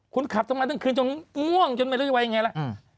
คุณขับทำไมทั้งคืนจนง่วงจนไม่รู้จะว่ายังไงล่ะ